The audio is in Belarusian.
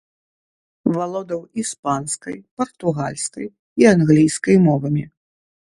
Валодаў іспанскай, партугальскай і англійскай мовамі.